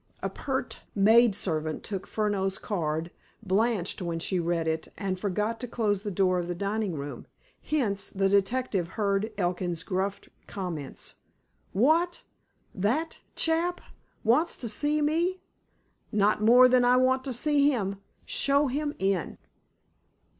A pert maid servant took Furneaux's card, blanched when she read it, and forgot to close the door of the dining room. Hence, the detective heard Elkin's gruff comments: "What? That chap? Wants to see me? Not more than I want to see him. Show him in."